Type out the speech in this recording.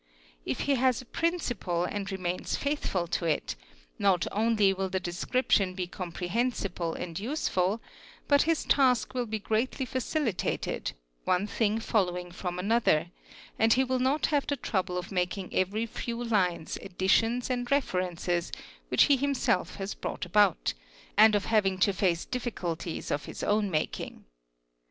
If he has a principle and remains faithful to it, not only will the description be meomprehensible and useful but his task will be greatly facilitated, one pehing following from another, and he will not have the trouble of making » ahatd few lines additionsand references which he himself has brought about, and of having to face difficulties of his own making.